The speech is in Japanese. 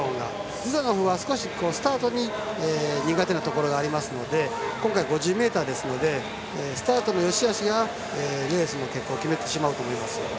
ズダノフは少しスタートに苦手なところがありますので今回は５０ｍなのでスタートのよしあしがレースの結果を決めてしまうと思います。